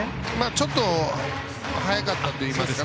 ちょっと早かったといいますか。